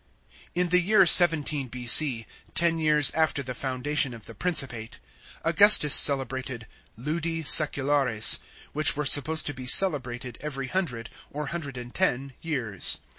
In the year 17 B.C. — ten years after the foundation of the Principate — Augustus celebrated Ludi Sseculares, which were supposed to be celebrated every hundred (or hundred and ten) years.